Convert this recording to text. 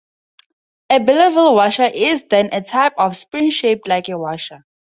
A Belleville washer is, then, a type of spring shaped like a washer.